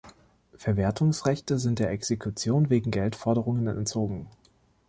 Verwertungsrechte sind der Exekution wegen Geldforderungen entzogen.